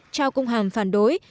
trao công hàm phản đối